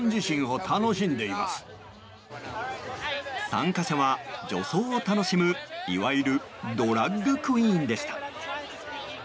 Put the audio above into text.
参加者は女装を楽しむいわゆるドラァグクイーンでした。